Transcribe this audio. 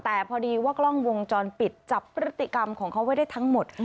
แต่พอดีว่ากล้องวงจรปิดจับพฤติกรรมของเขาไว้ได้ทั้งหมด